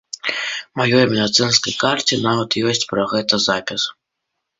У маёй медыцынскай карце нават ёсць пра гэта запіс.